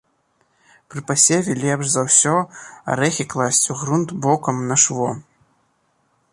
Пры пасеве лепш за ўсё арэхі класці ў грунт бокам на шво.